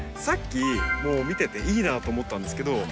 さっきもう見てていいなと思ったんですけど